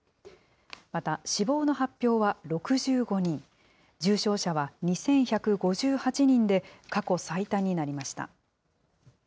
また、死亡の発表は６５人、重症者は２１５８人で、過去最多になりました。